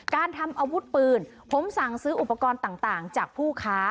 การทำอาวุธปืนผมสั่งซื้ออุปกรณ์ต่างจากผู้ค้า